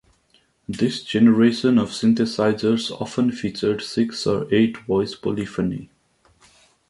This generation of synthesizers often featured six or eight voice polyphony.